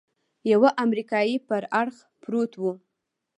يوه امريکايي پر اړخ پروت و.